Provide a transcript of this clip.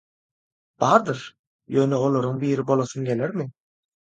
Bardyr, ýöne oalryň biri bolasyň gelermi?